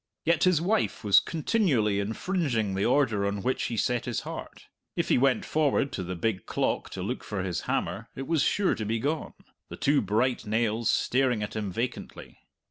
Yet his wife was continually infringing the order on which he set his heart. If he went forward to the big clock to look for his hammer, it was sure to be gone the two bright nails staring at him vacantly.